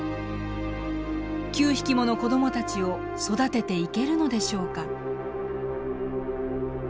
９匹もの子どもたちを育てていけるのでしょうか？